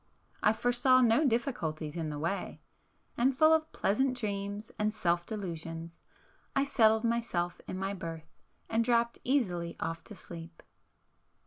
I foresaw no difficulties in the way,—and full of pleasant dreams and self delusions I settled myself in my berth, and dropped easily off to sleep.